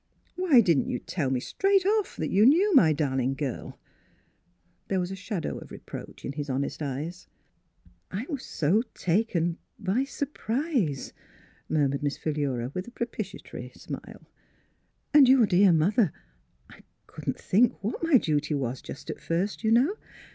Why didn't you tell me straight off that you knew my darling girl? " There was a shadow of reproach in his honest eyes. Miss Fhilura's Wedding Gown "I — was so taken by — by surprise, murmured Miss Philura, with a propitia tory smile. '* And your dear mother — I couldn't think what my duty was, just at first, you know.